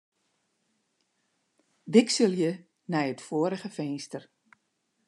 Wikselje nei it foarige finster.